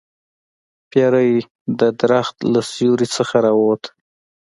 پیری د درخت له سوری نه راووت.